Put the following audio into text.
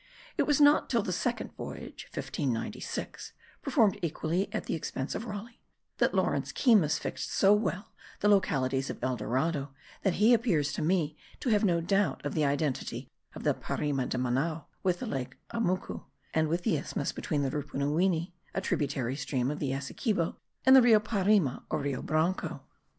It was not till the second voyage (1596), performed equally at the expense of Raleigh, that Laurence Keymis fixed so well the localities of El Dorado, that he appears to me to have no doubt of the identity of the Parima de Manao with the lake Amucu, and with the isthmus between the Rupunuwini (a tributary stream of the Essequibo) and the Rio Parima or Rio Branco.